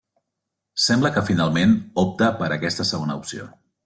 Sembla que finalment opta per aquesta segona opció.